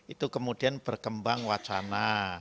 itu kemudian berkembang wacana